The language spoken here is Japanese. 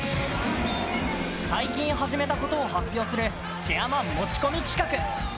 最近始めたことを発表するチェアマン持ち込み企画。